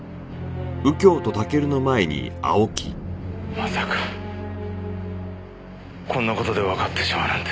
まさかこんな事でわかってしまうなんて。